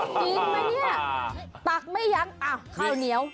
กินไหมเนี่ยตักไม่ยังอ้าวข้าวเหนียว